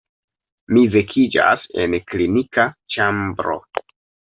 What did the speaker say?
Mi vekiĝas en klinika ĉambro.